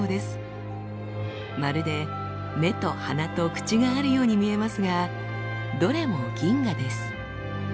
まるで目と鼻と口があるように見えますがどれも銀河です。